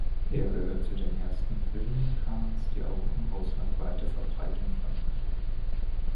Er gehört zu den ersten Filmen Khans, die auch im Ausland weite Verbreitung fanden.